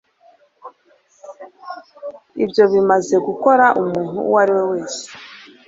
Ibyo bimaze gukora umuntu uwo ari we wese